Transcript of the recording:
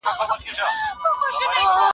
دتفسیر دبامه